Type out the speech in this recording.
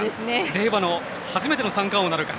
令和の初めての三冠王なるか。